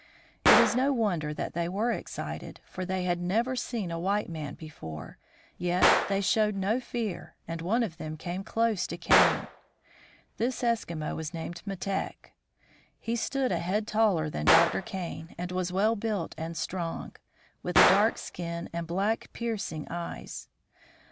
It is no wonder that they were excited, for they had never seen a white man before ; yet they showed no fear, and one of them came close to Kane. This Eskimo was named Metek. He stood a head taller than Dr. Kane, and was well built and strong, with a dark skin and black, piercing eyes.